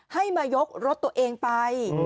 ให้มายกรถตัวเองไป